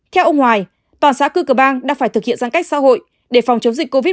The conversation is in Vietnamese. theo ông hoài toàn xã cư cờ bang đã phải thực hiện giang cách xã hội để phòng chống dịch covid một mươi chín